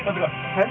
えっ？